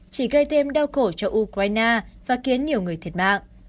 chỉ gây thêm đau khổ cho ukraine và khiến nhiều người thiệt mạng